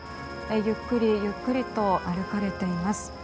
ゆっくりゆっくりと歩かれています。